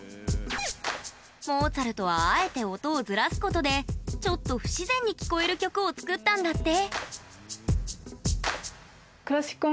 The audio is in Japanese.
モーツァルトはあえて音をずらすことでちょっと不自然に聴こえる曲を作ったんだって。